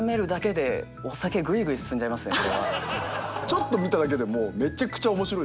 ちょっと見ただけでもうめちゃくちゃ面白いっすわ。